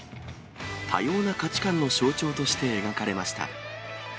多様な価値観の象徴として描かれました。